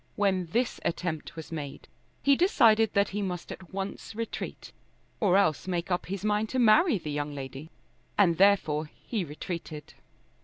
When this attempt was made he decided that he must at once retreat, or else make up his mind to marry the young lady. And therefore he retreated.